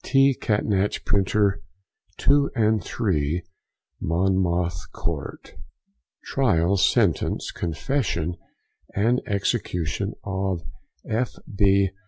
T. Catnach, Printer, 2 and 3, Monmouth Court. TRIAL, SENTENCE, CONFESSION, & EXECUTION OF F. B.